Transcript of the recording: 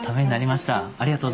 ありがとうございます。